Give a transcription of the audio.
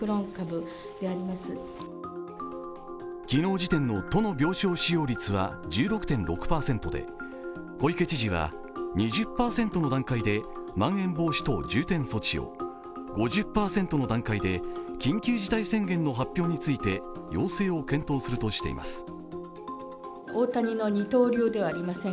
昨日時点の都の病床使用率は１６．６％で小池知事は、２０％の段階でまん延防止等重点措置を、５０％の段階で緊急事態宣言の発表について要請を検討するとしています。